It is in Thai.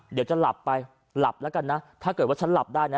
เดี๋ยวจะหลับไปหลับแล้วกันนะถ้าเกิดว่าฉันหลับได้นะ